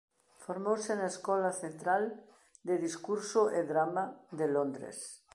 Formouse na Escola Central de Discurso e Drama de Londres.